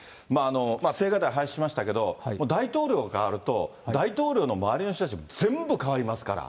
青瓦台廃止しましたけれども、もう大統領代わると、大統領の周りの人たち全部変わりますから。